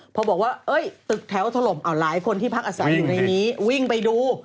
พอบอกว่าตึกแถวถล่มเอาหลายคนที่พักอาศัยอยู่ในนี้วิ่งไปดู